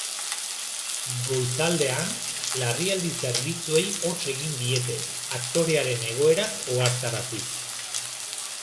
Goizaldean, larrialdi zerbitzuei hots egin diete, aktorearen egoeraz ohartaraziz.